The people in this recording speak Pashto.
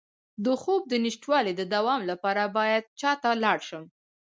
د خوب د نشتوالي د دوام لپاره باید چا ته لاړ شم؟